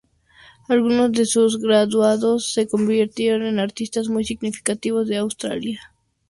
Algunos de sus graduados se convirtieron en artistas muy significativos en Australia.